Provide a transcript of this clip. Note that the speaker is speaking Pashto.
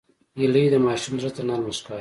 هیلۍ د ماشوم زړه ته نرمه ښکاري